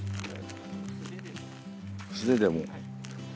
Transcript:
素手でも。